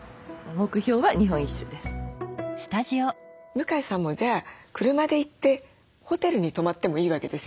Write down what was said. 向江さんもじゃあ車で行ってホテルに泊まってもいいわけですよね。